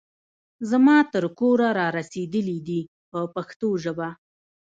زما تر کوره را رسېدلي دي په پښتو ژبه.